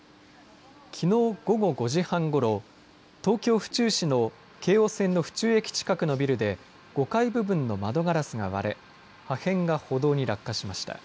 きのう午後５時半ごろ東京、府中市の京王線の府中駅近くのビルで５階部分の窓ガラスが割れ破片が歩道に落下しました。